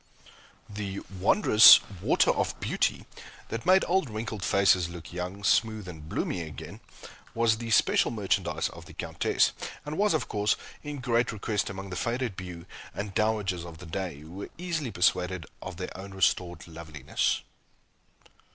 The wondrous "Water of Beauty," that made old wrinkled faces look young, smooth, and blooming again, was the special merchandise of the Countess, and was, of course, in great request among the faded beaux and dowagers of the day, who were easily persuaded of their own restored loveliness.